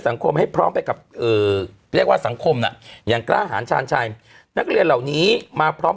สังคมให้พร้อมไปกับเอ่อเรียกว่าสังคมน่ะอย่างกล้าหารชาญชัยนักเรียนเหล่านี้มาพร้อม